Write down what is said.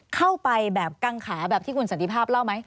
เข้าไปแบบกังขาแบบที่คุณสันติภาพเล่าไหม